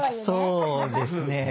そうですね。